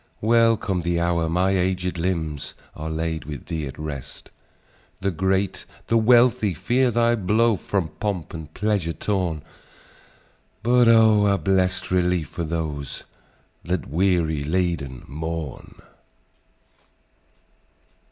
Welcome the hour my aged limbs Are laid with thee at rest! The great, the wealthy fear thy blow From pomp and pleasure torn; But, oh! a blest relief for those That weary laden mourn!"